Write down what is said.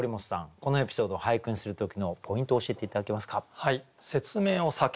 このエピソードを俳句にする時のポイントを教えて頂けますか。